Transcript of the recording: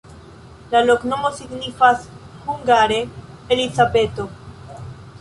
La loknomo signifas hungare: Elizabeto.